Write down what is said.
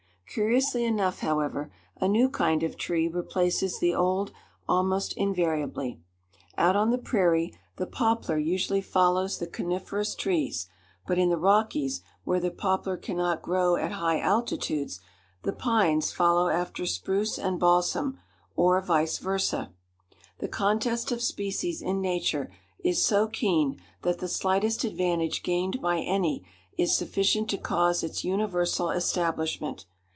Curiously enough, however, a new kind of tree replaces the old almost invariably. Out on the prairie the poplar usually follows the coniferous trees, but in the Rockies, where the poplar can not grow at high altitudes, the pines follow after spruce and balsam, or vice versa. The contest of species in nature is so keen that the slightest advantage gained by any, is sufficient to cause its universal establishment.